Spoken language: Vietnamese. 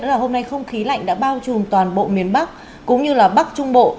đó là hôm nay không khí lạnh đã bao trùm toàn bộ miền bắc cũng như là bắc trung bộ